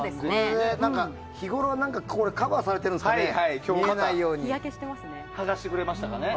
日ごろ、ここはカバーされてるんですかね剥がしてくれましたかね。